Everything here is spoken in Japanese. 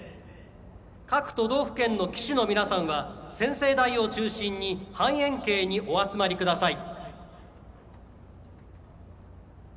各都道府県の旗手の皆さんは宣誓台を中心に半円形にお集まりください。